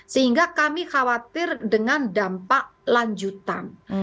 sehingga kami khawatir dengan dampak lanjutan